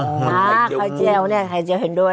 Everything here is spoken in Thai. ไข่เจียวเนี่ยไข่เจียวเห็นด้วย